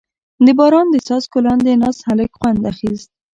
• د باران د څاڅکو لاندې ناست هلک خوند اخیست.